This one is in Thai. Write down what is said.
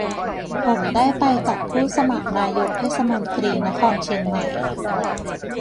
ผมได้ไปกับผู้สมัครนายกเทศมนตรีนครเชียงใหม่